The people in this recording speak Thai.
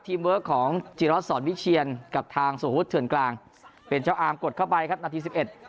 ทีมเวิร์คของจิรัสสอนวิเชียนกับทางสวทธิ์เถิ่นกลางเป็นชาวอาร์มกดเข้าไปครับนาที๑๑